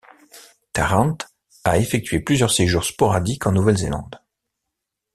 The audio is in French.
Tarrant a effectué plusieurs séjours sporadiques en Nouvelle-Zélande.